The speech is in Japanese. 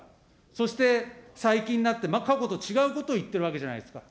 そして、最近になって過去と違うことを言ってるわけじゃないですか。